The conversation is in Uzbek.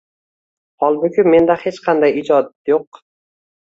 Holbuki, menda hech qanday ijod yo‘q.